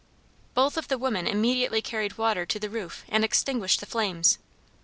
Both of the women immediately carried water to the roof and extinguished the flames.